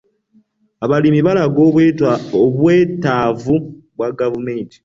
Abalimi baalaga obwetaavu bwa gavumenti.